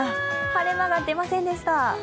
晴れ間は出ませんでした。